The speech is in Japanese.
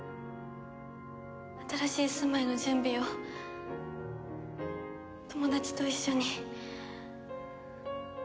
新しい住まいの準備を友達と一緒に。